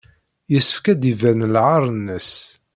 Yessefk ad d-iban lɛaṛ-nnes.